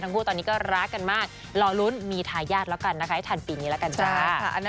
คู่ตอนนี้ก็รักกันมากรอลุ้นมีทายาทแล้วกันนะคะให้ทันปีนี้แล้วกันจ้า